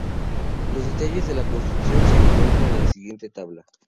Los detalles de la construcción se encuentran en la siguiente tabla.